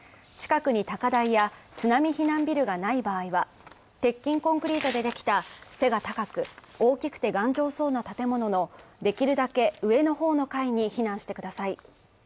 近くに高台や津波避難ビルがない場合は、鉄筋コンクリートでできた背が高く大きくて頑丈そうな建物のできるだけ上の方の階に避難してください